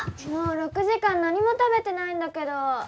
もう６時間何も食べてないんだけど！